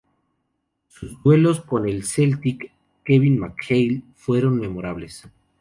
Sus duelos con el "celtic" Kevin McHale fueron memorables.